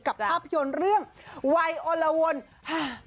กับภาพยนตร์เรื่องวัยอลวนหัก